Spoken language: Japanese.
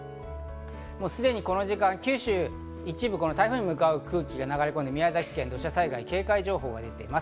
すでにこの時間、九州の一部、台風に向かう空気が流れ込んで、宮崎県に土砂災害警戒情報が出ています。